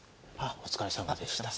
お疲れさまでした。